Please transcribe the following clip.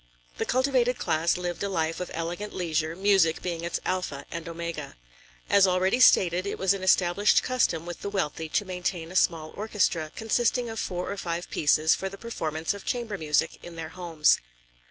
The cultivated class lived a life of elegant leisure, music being its alpha and omega. As already stated, it was an established custom with the wealthy to maintain a small orchestra, consisting of four or five pieces for the performance of chamber music in their homes.